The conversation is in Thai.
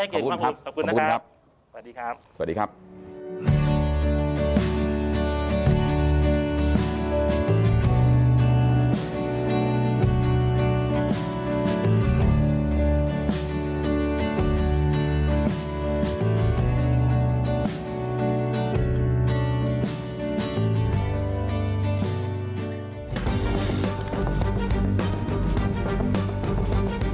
ขอบคุณมากที่ให้กินความรู้ขอบคุณนะครับสวัสดีครับสวัสดีครับ